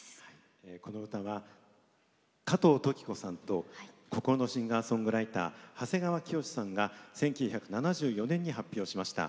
この歌は加藤登紀子さんと孤高のシンガーソングライター長谷川きよしさんが１９７４年に発表しました。